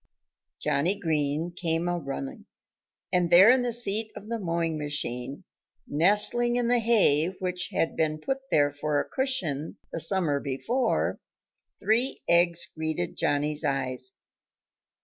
Johnnie Green came a running. And there in the seat of the mowing machine, nestling in the hay which had been put there for a cushion the summer before, three eggs greeted Johnnie's eyes.